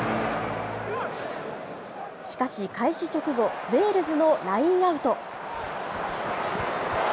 しかし、開始直後、ウェールズのラインアウト。